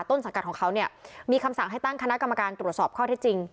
ต้นสังกัดของเขาเนี่ยมีคำสั่งให้ตั้งคณะกรรมการตรวจสอบข้อที่จริง